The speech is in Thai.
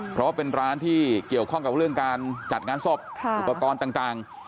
เพราะว่าเป็นร้านที่เกี่ยวข้องกับเรื่องการจัดงานศพอุปกรณ์ต่าง